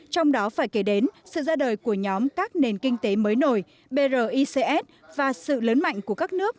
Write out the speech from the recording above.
trong đó phải kể đến sự ra đời của nhóm các nền kinh tế mới nổi brics và sự lớn mạnh của các nước